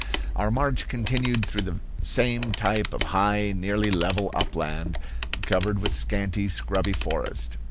Our march continued through the same type of high, nearly level upland, covered with scanty, scrubby forest.